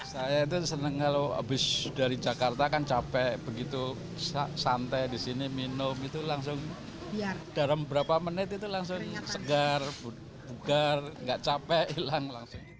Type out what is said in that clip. saya itu senang kalau habis dari jakarta kan capek begitu santai di sini minum itu langsung dalam beberapa menit itu langsung segar bugar nggak capek hilang langsung